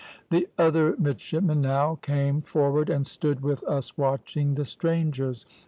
"The other midshipmen now came forward, and stood with us watching the strangers.